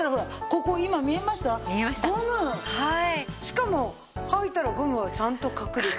しかも履いたらゴムはちゃんと隠れて。